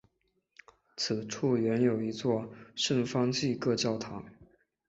此处原有一座圣方济各教堂。